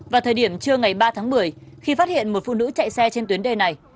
vào thời điểm trưa ngày ba tháng một mươi khi phát hiện một phụ nữ chạy xe trên tuyến đê này